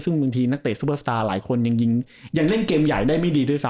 ซึ่งบางทีนักเตะซุปเปอร์สตาร์หลายคนยังเล่นเกมใหญ่ได้ไม่ดีด้วยซ